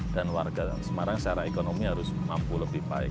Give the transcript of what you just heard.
dan warga semarang secara ekonomi harus mampu lebih baik